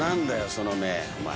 その目お前。